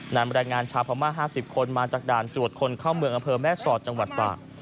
แรงงานชาวพม่า๕๐คนมาจากด่านตรวจคนเข้าเมืองอำเภอแม่สอดจังหวัดตาก